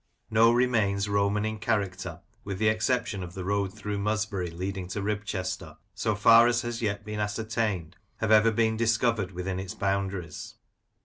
No remains Roman in character (with the exception of the road through Musbury leading to Ribchester), so far as has yet been ascertained, have ev^ been discovered within its boundaries.